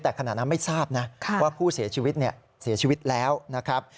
แต่ขณะนั้นไม่ทราบนะว่าผู้เสียชีวิตเสียชีวิตแล้วนะครับ